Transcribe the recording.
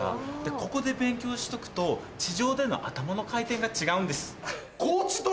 ここで勉強しとくと地上での頭の回転が違うんです。